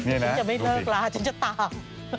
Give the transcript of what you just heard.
ฉันจะไม่เลิกลาฉันจะตาม